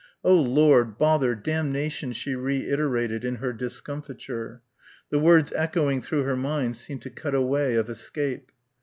"Oh, Lord, bother, damnation," she reiterated in her discomfiture. The words echoing through her mind seemed to cut a way of escape....